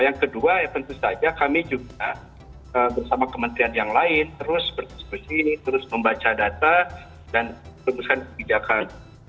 yang kedua tentu saja kami juga bersama kementerian yang lain terus berdiskusi terus membaca data dan rumuskan kebijakan